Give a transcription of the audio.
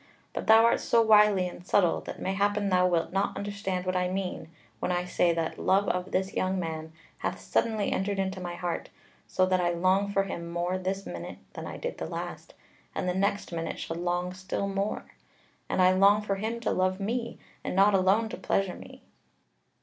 But thou art so wily and subtle that mayhappen thou wilt not understand what I mean, when I say that love of this young man hath suddenly entered into my heart, so that I long for him more this minute than I did the last, and the next minute shall long still more. And I long for him to love me, and not alone to pleasure me."